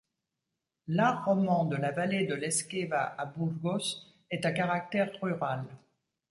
L´art roman de la vallée de l'Esgueva à Burgos est à caractère rural.